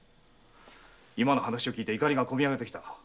今の話をきき怒りが込み上げてきた。